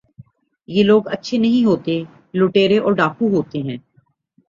یہ لوگ اچھے نہیں ہوتے ، لٹیرے اور ڈاکو ہوتے ہیں ۔